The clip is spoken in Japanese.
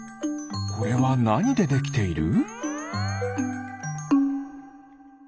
これはなにでできている？